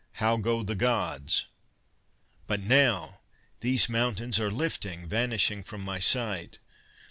How go the Gods? "But now! These mountains are lifting, vanishing from my sight.